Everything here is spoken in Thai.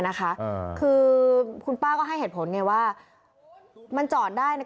นะคะคือคุณป้าก็ให้เหตุผลไงว่ามันจอดได้ใน